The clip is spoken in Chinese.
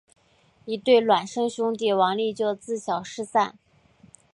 一对孪生兄弟王利就自小失散。